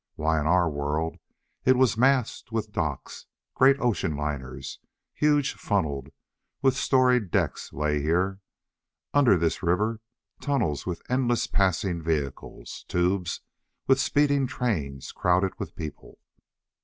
Why, in our world it was massed with docks! Great ocean liners, huge funneled, with storied decks lay here! Under this river, tunnels with endless passing vehicles! Tubes, with speeding trains crowded with people!